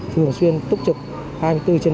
thường xuyên túc trực hai mươi bốn trên bảy